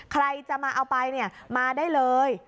ใครจะมาเอาไปมาได้เลย